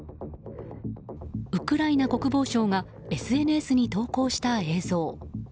ウクライナ国防省がＳＮＳに投稿した映像。